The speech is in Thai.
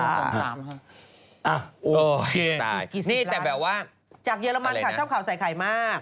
นี่แต่แบบว่าจากเยอรมันค่ะชอบข่าวใส่ไข่มาก